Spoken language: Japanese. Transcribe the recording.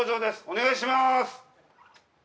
お願いします。